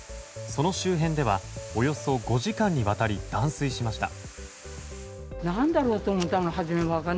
その周辺ではおよそ５時間にわたり断水しました。